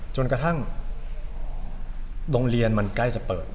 จนกระทั่งโรงเรียนมันใกล้จะเปิด